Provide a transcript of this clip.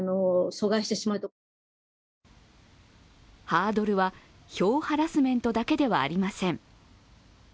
ハードルは票ハラスメントだけではありません。